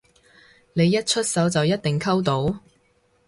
你一出手就一定溝到？